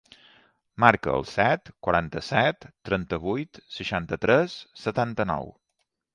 Marca el set, quaranta-set, trenta-vuit, seixanta-tres, setanta-nou.